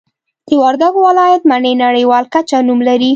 د وردګو ولایت مڼې نړیوال کچه نوم لري